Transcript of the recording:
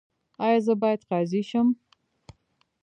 ایا زه باید قاضي شم؟